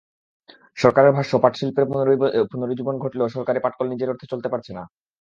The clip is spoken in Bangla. সরকারের ভাষ্য, পাটশিল্পের পুনরুজ্জীবন ঘটলেও সরকারি পাটকল নিজের অর্থে চলতে পারছে না।